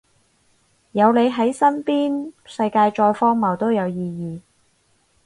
有你喺身邊，世界再荒謬都有意義